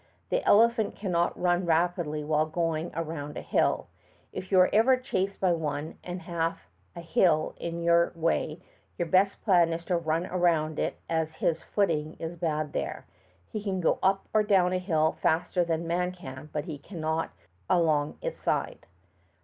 The elephant can not run rapidly while going around a hill. If you are ever chased b}^ one and have a hill in your way, your best plan is to run around it as his footing is bad there. He can go up or down hill faster than a man can, but not along its side.